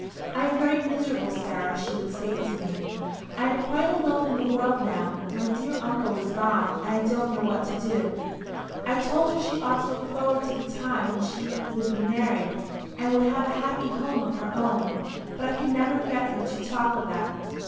'I am very miserable, Sarah,' she would say to me; 'I am quite alone in the world now my dear uncle is gone, and I don't know what to do.' I told her she ought to look forward to the time when she would be married, and would have a happy home of her own; but I could never get her to talk of that."